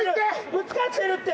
ぶつかってるって！